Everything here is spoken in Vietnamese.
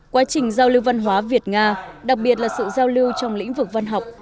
quá trình giao lưu văn hóa việt nga đặc biệt là sự giao lưu trong lĩnh vực văn học